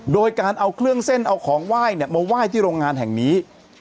โดยการเอาเครื่องเส้นเอาของไหว้มาไหว้ที่โรงงานแห่งนี้